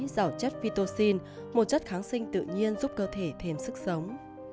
giảo chất phytoxin một chất kháng sinh tự nhiên giúp cơ thể thêm sức sống